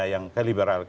yang kayak liberal